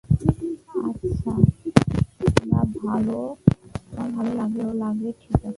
আচ্ছা, তোমার ভালো লাগলে, ঠিক আছে।